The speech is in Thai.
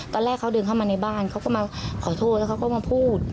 ตอนแรกเขาเดินเข้ามาในบ้านเขาก็มาขอโทษแล้วเขาก็มาพูด